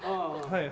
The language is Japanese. はい。